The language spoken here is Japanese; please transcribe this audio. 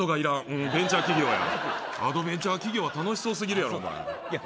うんベンチャー企業やアドベンチャー企業は楽しそうすぎるやろいや